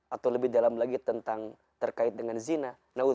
atau lebih dalam lagi tentang terkait dengan zina